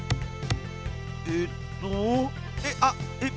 えっとえっあっえっ